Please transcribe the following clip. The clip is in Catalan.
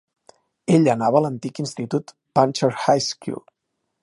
Ell anava a l'antic institut Punchard High School.